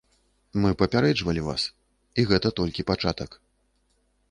Мы папярэджвалі вас, і гэта толькі пачатак.